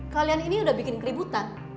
kalian ini udah bikin keributan